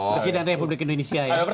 presiden republik indonesia ya